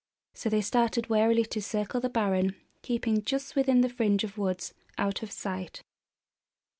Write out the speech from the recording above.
So they started warily to circle the barren, keeping just within the fringe of woods out of sight.